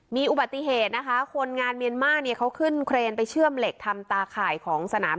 มีอุบัติเหตุนะคะคนงานเมียนมาร์เนี่ยเขาขึ้นเครนไปเชื่อมเหล็กทำตาข่ายของสนาม